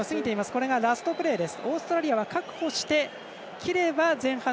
これがラストプレーです。